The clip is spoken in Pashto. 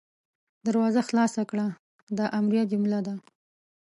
دروازه خلاصه کړه – دا امریه جمله ده.